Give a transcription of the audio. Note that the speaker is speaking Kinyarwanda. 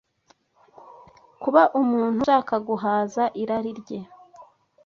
Kuba umuntu ashaka guhaza irari rye